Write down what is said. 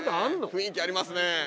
雰囲気ありますね。